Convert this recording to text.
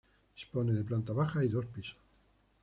Dispone de planta baja y dos pisos.